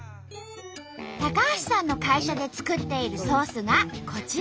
橋さんの会社で作っているソースがこちら。